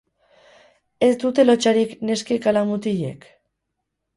Ez dute lotsarik neskek ala mutilek?